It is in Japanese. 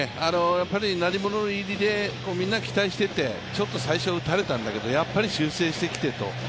鳴り物入りでみんな期待しててちょっと最初打たれたんだけどやっぱり修正してきていると。